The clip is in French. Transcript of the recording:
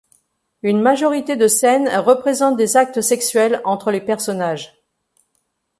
Une majorité de scènes représente des actes sexuels entre les personnages.